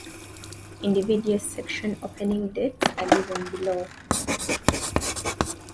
Individual section opening dates are given below.